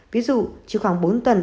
ví dụ chỉ khoảng bốn tuần